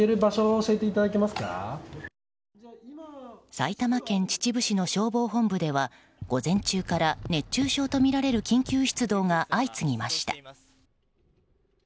埼玉県秩父市の消防本部では午前中から熱中症とみられる緊急出動が相次ぎました。